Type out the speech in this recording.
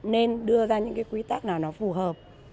nên đưa ra những cái quy tắc nào nó phù hợp